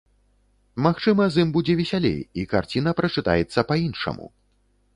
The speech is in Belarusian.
Магчыма, з ім будзе весялей, і карціна прачытаецца па-іншаму.